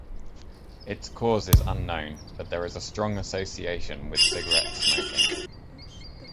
Its cause is unknown, but there is a strong association with cigarette smoking.